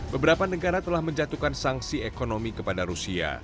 beberapa negara telah menjatuhkan sanksi ekonomi kepada rusia